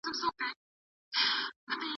استاد باید په خپله علمي برخه کي پوه وي.